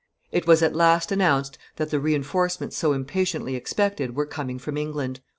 It was at last announced that the re enforcements so impatiently expected were coming from England.